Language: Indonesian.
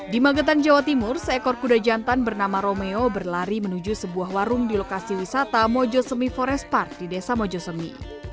di magetan jawa timur seekor kuda jantan bernama romeo berlari menuju sebuah warung di lokasi wisata mojosemi forest park di desa mojosemi